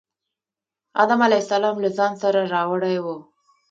آدم علیه السلام له ځان سره راوړی و.